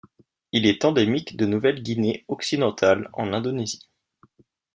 Il est endémique de Nouvelle-Guinée occidentale en Indonésie.